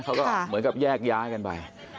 เขาก็เหมือนกับแยกย้ายกันไป